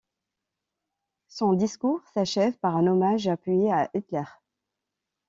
Son discours s'achève par un hommage appuyé à Hitler.